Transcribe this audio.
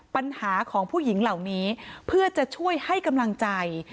ปัญหาของผู้หญิงเหล่านี้เพื่อจะช่วยให้กำลังใจ